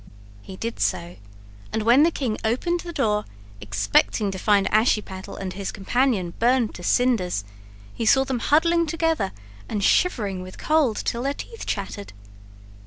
He did so, and when the king opened the door, expecting to find Ashiepattle and his companion burned to cinders, he saw them huddling together and shivering with cold till their teeth chattered.